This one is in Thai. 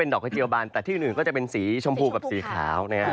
ดอกกระเจียวบานแต่ที่อื่นก็จะเป็นสีชมพูกับสีขาวนะครับ